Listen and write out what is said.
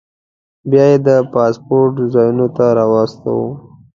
بیا یې د پاسپورټ ځایونو ته راوستو.